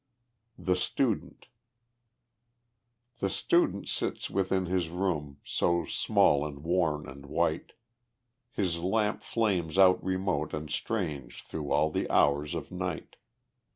The Student The student sits within his room, So small and worn and white; His lamp flames out remote and strange Through all the hours of night.